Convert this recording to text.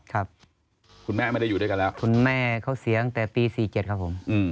ครับคุณแม่ไม่ได้อยู่ด้วยกันแล้วคุณแม่เขาเสียตั้งแต่ปี๔๗ครับผม